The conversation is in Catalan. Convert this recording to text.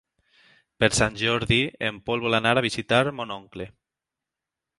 Per Sant Jordi en Pol vol anar a visitar mon oncle.